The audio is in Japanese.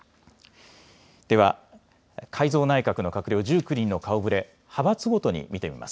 では、改造内閣の閣僚１９人の顔ぶれ、派閥ごとに見てみます。